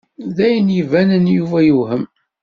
D ayen ibanen Yuba yewhem.